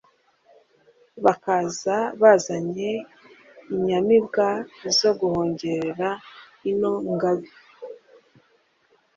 Bakaza bazanye n’inyamibwa Zo guhongera ino Ngabe,